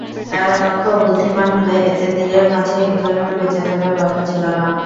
তারা দক্ষ এবং বুদ্ধিমান হলে এত তীরের মাঝে একজনেরও বেঁচে থাকার কথা ছিল না।